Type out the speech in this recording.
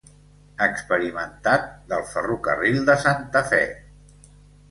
Experimentat del ferrocarril de Santa Fe.